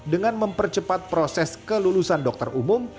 dengan mempercepat proses kelulusan dokter umum